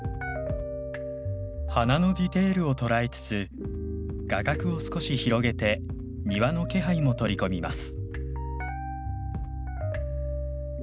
花のディテールを捉えつつ画角を少し広げて庭の気配も取り込みます。